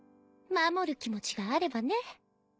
守る気持ちがあればね。